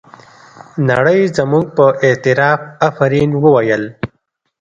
نړۍ زموږ پر اعتراف افرین وویل.